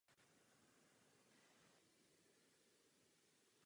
Celá oblast je odvodňována do Severního ledového oceánu.